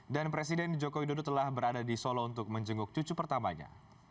dan presiden jokowi dodo telah berada di solo untuk menjenguk cucu pertamanya